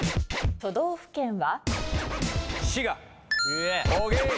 都道府県は？